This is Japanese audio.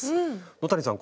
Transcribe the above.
野谷さん